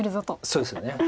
そうですね。